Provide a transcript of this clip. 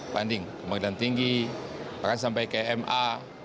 banding kemudian tinggi bahkan sampai ke ema